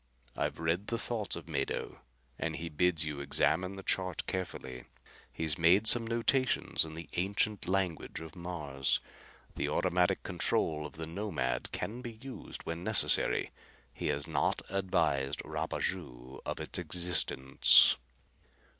"I've read the thoughts of Mado and he bids you examine the chart carefully. He's made some notations in the ancient language of Mars. The automatic control of the Nomad can be used when necessary. He has not advised Rapaju of its existence."